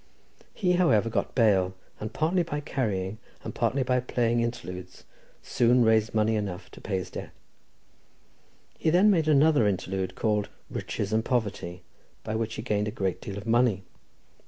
He, however, got bail, and partly by carrying, and partly by playing interludes, soon raised enough money to pay his debt. He then made another interlude, called "Riches and Poverty," by which he gained a great deal of money.